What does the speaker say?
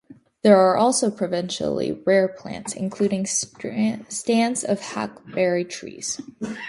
There are also provincially rare plants, including stands of hackberry trees.